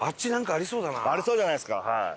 ありそうじゃないですか。